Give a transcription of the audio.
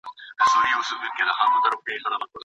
ذهني توازن تمرین غواړي.